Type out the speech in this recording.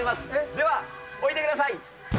では置いてください。